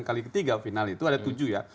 kali ketiga final itu ada tujuh ya